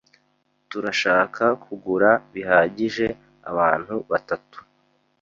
Turashaka kugura bihagije abantu batatu.